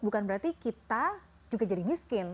bukan berarti kita juga jadi miskin